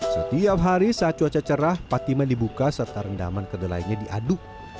setiap hari saat cuaca cerah patiman dibuka serta rendaman kedelainya diaduk